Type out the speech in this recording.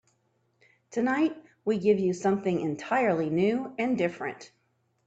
Tonight we give you something entirely new and different.